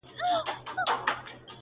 خپله خوله هم کلا ده، هم بلا.